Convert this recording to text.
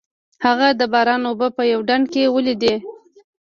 هغه د باران اوبه په یوه ډنډ کې ولیدې.